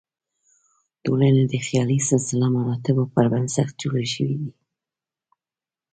ټولنې د خیالي سلسله مراتبو پر بنسټ جوړې شوې دي.